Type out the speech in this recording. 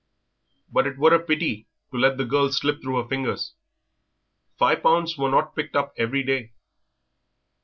But it were a pity to let the girl slip through her fingers five pounds were not picked up every day.